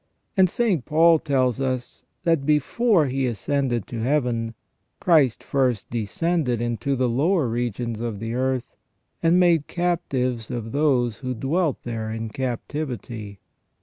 And St. Paul tells us, that before He ascended to Heaven, Christ first descended into the lower regions of the earth, and made captives of those who dwelt there in captivity.